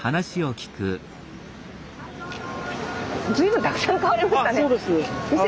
随分たくさん買われましたね。